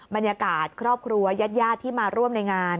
บรรยากาศครอบครัวยาดที่มาร่วมในงาน